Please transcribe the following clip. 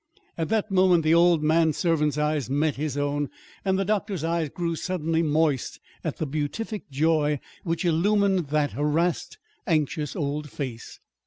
At that moment the old manservant's eyes met his own, and the doctor's eyes grew suddenly moist at the beatific joy which illumined that harassed, anxious old face.